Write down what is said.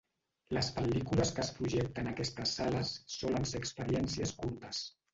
Les pel·lícules que es projecten a aquestes sales solen ser experiències curtes.